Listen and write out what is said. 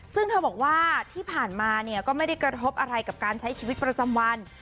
ซึ่งเธอบอกว่าที่ผ่านมาเนี่ยก็ไม่ได้กระทบอะไรกับการใช้ชีวิตประจำวัน